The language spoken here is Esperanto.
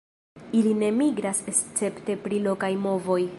Ili ne migras escepte pri lokaj movoj.